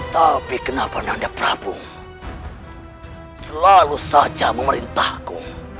tapi kenapa nada prabu selalu saja memerintahku